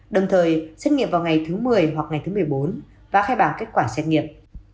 đồng thời xét nghiệm vào ngày thứ một mươi hoặc ngày thứ một mươi bốn và khai báo kết quả xét nghiệm